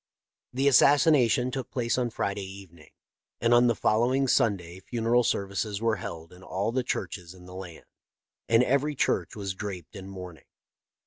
" The assassination took place on Friday evening, and on the following Sunday funeral services were held in all the churches in the land, and every church was draped in mourning."